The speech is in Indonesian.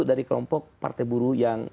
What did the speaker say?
dari kelompok partai buruh yang